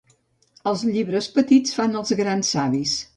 Els llibres petits fan els grans savis.